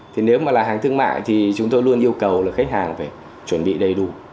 thì nếu mà là hàng thương mại thì chúng tôi luôn yêu cầu là khách hàng phải chuẩn bị đầy đủ